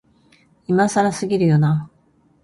今更すぎるよな、